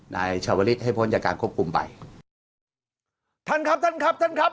นายชาวลิศให้พ้นจากการควบคุมไปท่านครับท่านครับท่านครับ